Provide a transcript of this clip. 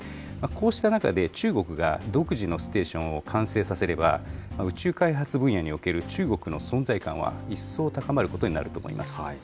こうした中で、中国が独自のステーションを完成させれば、宇宙開発分野における中国の存在感は一層高まることになると思います。